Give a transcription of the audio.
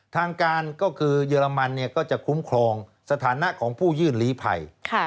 ทางการก็คือเยอรมันก็จะคุ้มครองสถานะของผู้ยื่นลีภัย